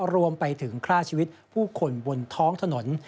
รวมไปถึงฆ่าชีวิตผู้คนบนท้องถนน